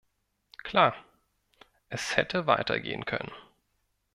Klar, es hätte weiter gehen können.